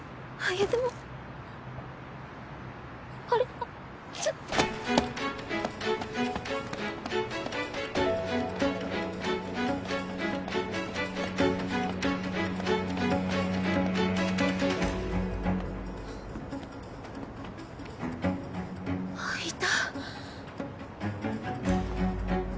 あっいた。